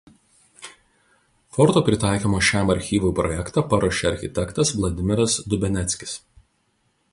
Forto pritaikymo šiam archyvui projektą paruošė architektas Vladimiras Dubeneckis.